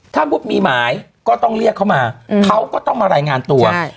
ถ้ามุติมีหมายก็ต้องเรียกเขามาเขาก็ต้องมารายงานตัว